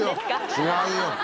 違うよ！